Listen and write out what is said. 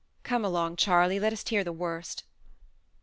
Come along, Charley; let us hear the worst."